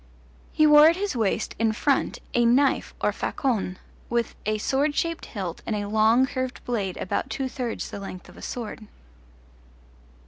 He wore at his waist, in front, a knife or facon, with a sword shaped hilt and a long curved blade about two thirds the length of a sword.